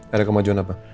ada kemajuan apa